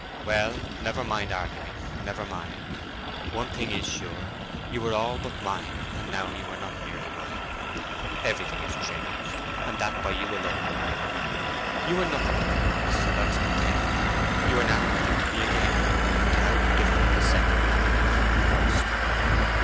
"Well, never mind arguing—never mind. One thing is sure: you were all but mine, and now you are not nearly mine. Everything is changed, and that by you alone, remember. You were nothing to me once, and I was contented; you are now nothing to me again, and how different the second nothing is from the first!